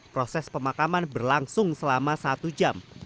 proses pemakaman berlangsung selama satu jam